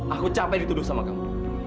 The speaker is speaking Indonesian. aku capek dituduh sama kamu